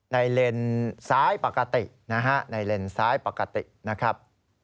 เลนซ้ายปกตินะฮะในเลนซ้ายปกตินะครับ